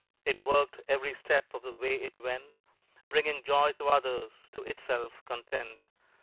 It worked every step of the way it went, Bringing joy to others, to itself content.